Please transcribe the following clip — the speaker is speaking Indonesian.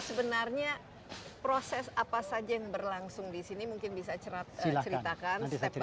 sebenarnya proses apa saja yang berlangsung disini mungkin bisa ceritakan step by step nya